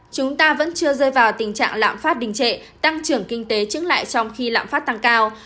chúng ta vẫn chưa rơi vào tình trạng lạm phát đình trệ tăng trưởng kinh tế chứng lại trong khi lạm phát tăng cao